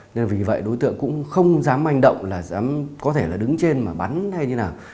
nên là vì vậy đối tượng cũng không dám manh động là dám có thể là đứng trên mà bắn hay như nào